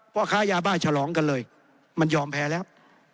พ่อค้ายาบ้าฉลองกันเลยมันยอมแพ้แล้ว